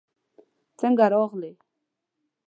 څنګه راغلې؟